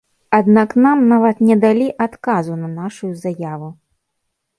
Аднак нам нават не далі адказу на нашую заяву.